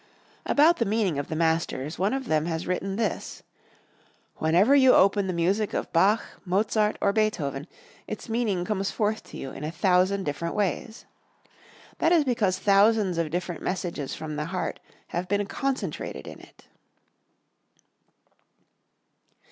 About the meaning of the masters, one of them has written this: "Whenever you open the music of Bach, Mozart, or Beethoven, its meaning comes forth to you in a thousand different ways." That is because thousands of different messages from the heart have been concentrated in it.